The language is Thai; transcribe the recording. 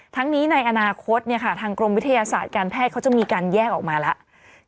ทั้งนี้ในอนาคตทางกรมวิทยาศาสตร์การแพทย์เขาจะมีการแยกออกมาแล้ว